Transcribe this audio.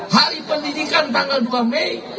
hari pendidikan tanggal dua mei